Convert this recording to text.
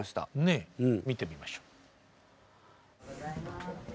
ねっ見てみましょう。